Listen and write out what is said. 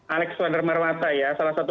alexander marwata ya salah satu